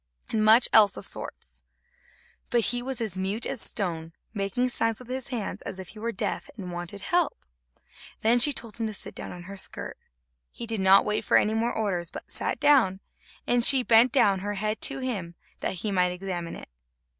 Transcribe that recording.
and much else of all sorts; but he was as mute as a stone, making signs with his hands, as if he were deaf and wanted help. Then she told him to sit down on her skirt. He did not wait for any more orders, but sat down, and she bent down her head to him, that he might examine it.